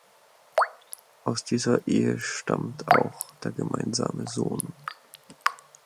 Aus dieser Ehe stammt auch der gemeinsame Sohn.